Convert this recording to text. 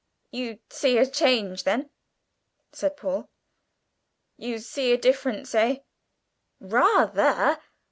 "You see a change then," said Paul, "you do see a difference, eh?" "Rather!"